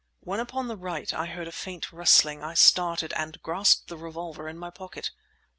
When upon the right I heard a faint rustling I started, and grasped the revolver in my pocket.